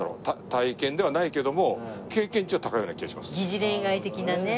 疑似恋愛的なね。